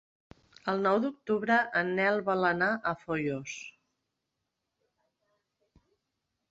El nou d'octubre en Nel vol anar a Foios.